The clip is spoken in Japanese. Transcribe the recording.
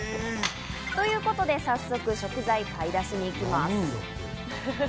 ということで、早速、食材を買い出しに行きます。